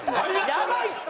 やばいって！